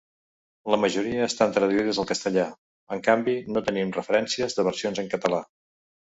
La majoria estan traduïdes al castellà; en canvi, no tenim referències de versions en català.